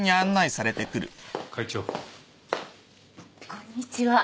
こんにちは。